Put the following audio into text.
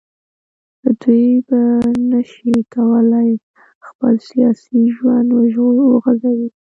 دوی به نه شي کولای خپل سیاسي ژوند وغځوي